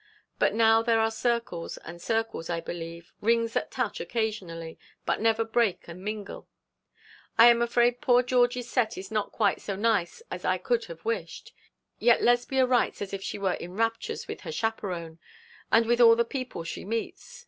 But now there are circles and circles, I believe, rings that touch occasionally, but never break and mingle. I am afraid poor Georgie's set is not quite so nice as I could have wished. Yet Lesbia writes as if she were in raptures with her chaperon, and with all the people she meets.